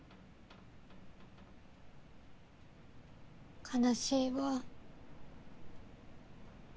悲しいわ。